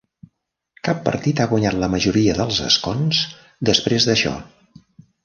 Cap partit ha guanyat la majoria dels escons després d'això.